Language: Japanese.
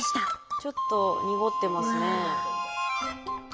ちょっと濁ってますね。